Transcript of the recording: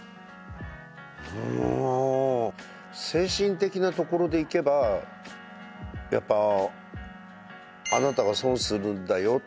精神的なところでいけばやっぱ「あなたが損するんだよ」っていう。